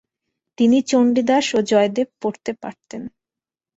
তিনি চন্ডীদাস এবং জয়দেব পড়তে পারতেন।